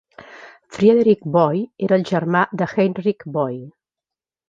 Friedrich Boie era el germà de Heinrich Boie.